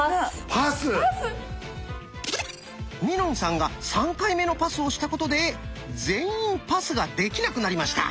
パス⁉みのんさんが３回目のパスをしたことで全員パスができなくなりました。